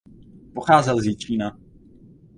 Pocházel z Jičína.